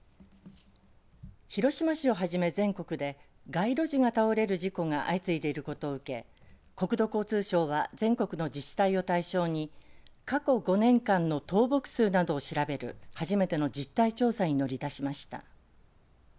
広島市をはじめ全国で街路樹が倒れる事故が相次いでいることを受け国土交通省は全国の自治体を対象に過去５年間の倒木数などを調べる初めての実態調査に乗り出しました。